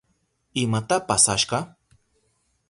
¿Imata pasashka?